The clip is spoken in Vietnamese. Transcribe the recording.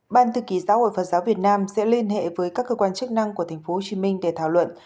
ban thư ký giáo hội phật giáo việt nam sẽ liên hệ với các cơ quan chức năng của tp hcm để thảo luận